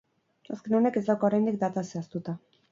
Azken honek ez dauka oraindik data zehaztuta.